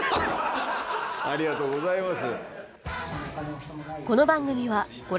ありがとうございます。